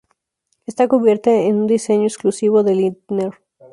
Esta cubierta es un diseño exclusivo de Lindner.